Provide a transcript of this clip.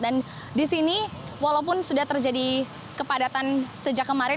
dan di sini walaupun sudah terjadi kepadatan sejak kemarin